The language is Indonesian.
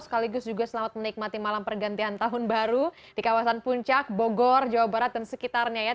sekaligus juga selamat menikmati malam pergantian tahun baru di kawasan puncak bogor jawa barat dan sekitarnya ya